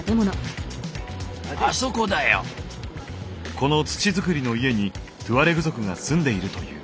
この土づくりの家にトゥアレグ族が住んでいるという。